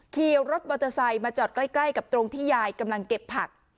ขี่รถมอเตอร์ไซค์มาจอดใกล้กับตรงที่ยายกำลังเก็บผัก